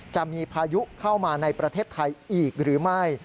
จะมีพายุเข้ามาในประเทศไทยอีกหรือไม่